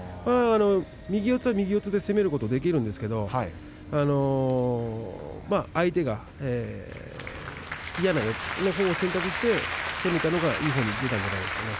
右四つは右四つで攻めることできるんですが相手が嫌な四つを選択して攻めたのがよかったんじゃないですかね。